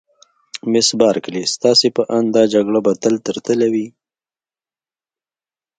مس بارکلي: ستاسي په اند دا جګړه به تل تر تله وي؟